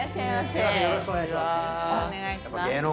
よろしくお願いします。